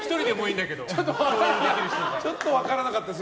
ちょっと分からなかったです。